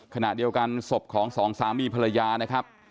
ขณะเดียวกันศพของสองสามีภรรยานะครับ